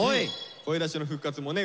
声出しの復活もね